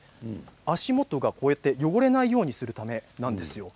足元がこうやって汚れないようにするためなんです。